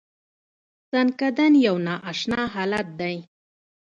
ځنکدن یو نا اشنا حالت دی .